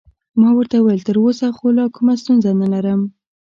ما ورته وویل: تراوسه خو لا کومه ستونزه نلرم.